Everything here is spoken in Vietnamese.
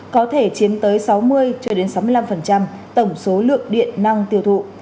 có thể chiếm tới sáu mươi sáu mươi năm tổng số lượng điện năng tiêu thụ